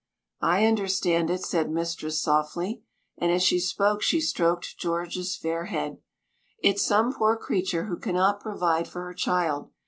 "I understand it," said mistress softly, and as she spoke she stroked George's fair head. "It's some poor creature who cannot provide for her child.